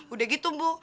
udah gitu bu